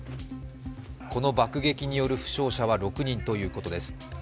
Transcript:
この爆撃による負傷者は６人ということです。